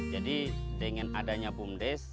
jadi dengan adanya bumdes